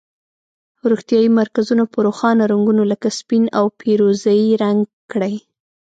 روغتیایي مرکزونه په روښانه رنګونو لکه سپین او پیروزه یي رنګ کړئ.